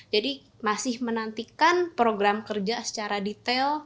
jadi masih menantikan program kerja secara detail